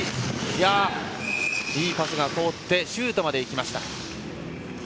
いいパスが通ってシュートまでいった。